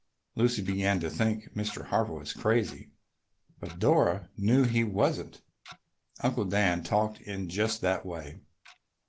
Lucy began to think Mr. Harper was crazy, but Dora knew he wasn't. Uncle Dan talked in just that way.